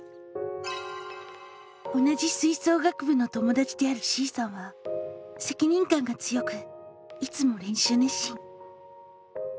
同じ吹奏楽部の友だちであるＣさんは責任感が強くいつも練習熱心。